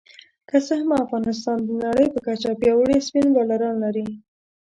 که څه هم افغانستان د نړۍ په کچه پياوړي سپېن بالران لري